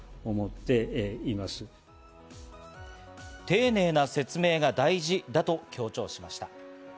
丁寧な説明が大事だと強調しました。